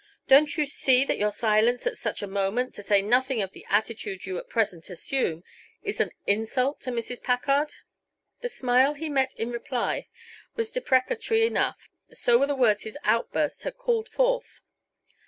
Don't you see that your silence at such a moment, to say nothing of the attitude you at present assume, is an insult to Mrs. Packard?" The smile he met in reply was deprecatory enough; so were the words his outburst had called forth.